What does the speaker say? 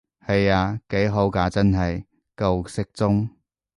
係啊，幾好㗎真係，夠適中